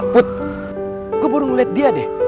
put gue baru ngeliat dia deh